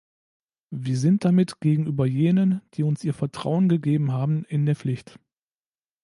Wir sind damit gegenüber jenen, die uns ihr Vertrauen gegeben haben, in der Pflicht.